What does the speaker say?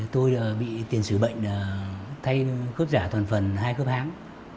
tôi bị tiền sử bệnh thay khớp giả toàn phần hai khớp háng